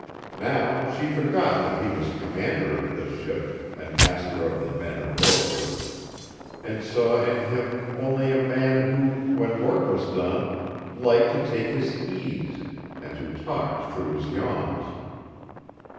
Now she forgot that he was commander of this ship and master of the men aboard her, and saw in him only a man who, when work was done, liked to take his ease and who talked through his yawns.